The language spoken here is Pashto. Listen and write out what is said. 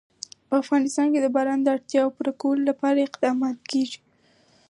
په افغانستان کې د باران د اړتیاوو پوره کولو لپاره اقدامات کېږي.